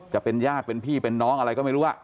จะเป็นญาติเป็นพี่เป็นน้องอะไรก็ไม่รู้